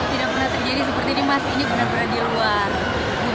tidak pernah terjadi seperti ini mas ini benar benar di luar